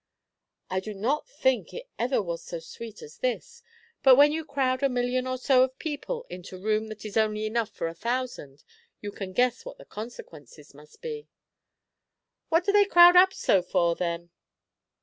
"I do not think it ever was so sweet as this. But when you crowd a million or so of people into room that is only enough for a thousand, you can guess what the consequences must be." "What do they crowd up so for, then?"